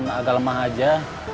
cuma kelihatan agak lemah aja